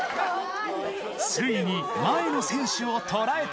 ついに前の選手を捉えた。